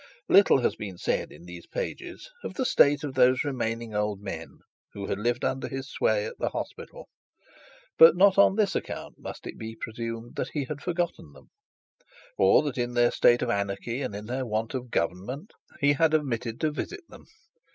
Little has been said in these pages of the state of those remaining old men who had lived under his sway at the hospital. But not on this account must it be presumed that he had forgotten them, or that in their state of anarchy and in their want of government he had omitted to visit them.